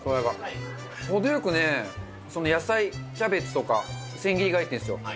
程よくその野菜、キャベツとか、千切りが入ってるんですよ。